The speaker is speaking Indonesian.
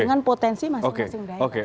dengan potensi masing masing daerah